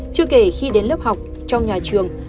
chưa kể khi đến lớp học trong nhà trường